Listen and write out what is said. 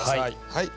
はい。